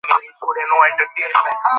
এরকম দুরাবস্থাতেও তুমি চখাম এটিটিউডে আছো।